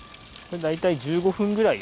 大体１５分ぐらい。